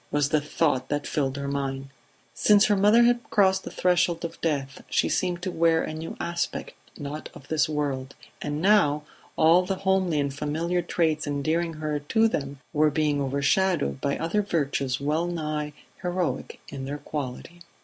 was the thought that filled her mind. Since her mother had crossed the threshold of death she seemed to wear a new aspect, not of this world; and now all the homely and familiar traits endearing her to them were being overshadowed by other virtues well nigh heroic in their quality.